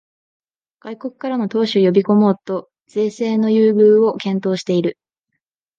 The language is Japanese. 外国からの投資を呼びこもうと税制の優遇を検討している